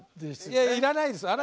いやいらないです。